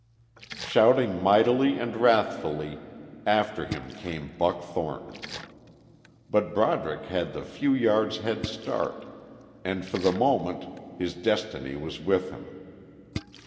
Shouting mightily and wrathfully, after him came Buck Thornton. But Broderick had the few yards' headstart and, for the moment his destiny was with him.